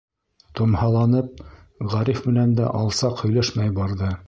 Томһаланып, Ғариф менән дә алсаҡ һөйләшмәй барҙы.